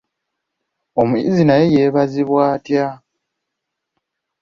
Omuyizzi naye yeebazibwa atya?